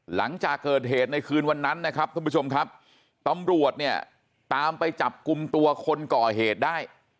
หลังจากเกิดเหตุในคืนวันนั้นนะครับท่านผู้ชมครับตำรวจเนี่ยตามไปจับกลุ่มตัวคนก่อเหตุได้